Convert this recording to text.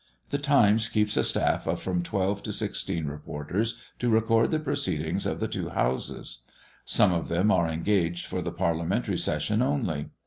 The Times keeps a staff of from twelve to sixteen reporters to record the proceedings of the two houses. Some of them are engaged for the Parliamentary session only.